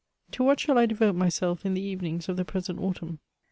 To what shall I devote myself in the evenings of the present autumn?